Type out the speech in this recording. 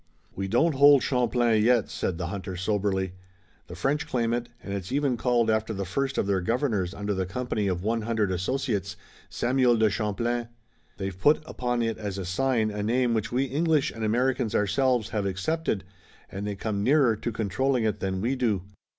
"We don't hold Champlain yet," said the hunter soberly. "The French claim it, and it's even called after the first of their governors under the Company of One Hundred Associates, Samuel de Champlain. They've put upon it as a sign a name which we English and Americans ourselves have accepted, and they come nearer to controlling it than we do.